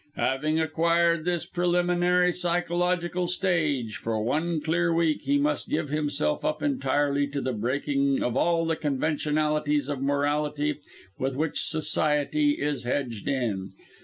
Having acquired this preliminary psychological stage, for one clear week he must give himself up entirely to the breaking of all the conventionalities of morality with which society is hedged in.